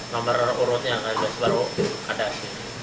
nomor urutnya dari jawa barat